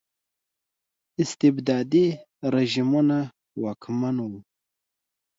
استبدادي رژیمونه واکمن وو.